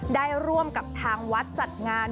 ได้ร่วมกับทางวัดจัดงาน